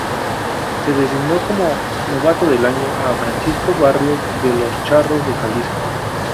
Se designó como novato del año a Francisco Barrios de los Charros de Jalisco.